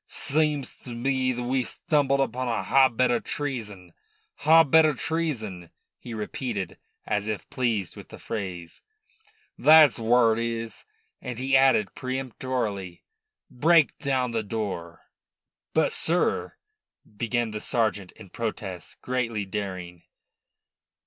"Seems to me that we've stumbled upon a hotbed o' treason. Hotbed o' treason!" he repeated, as if pleased with the phrase. "That's wharrit is." And he added peremptorily: "Break down the door." "But, sir," began the sergeant in protest, greatly daring.